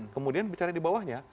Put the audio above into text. kemudian bicara di bawahnya